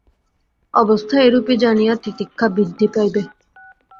অবস্থা এইরূপই জানিয়া তিতিক্ষা বৃদ্ধি পাইবে।